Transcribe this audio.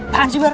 tahan sih bar